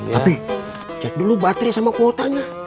tapi cek dulu baterai sama kuotanya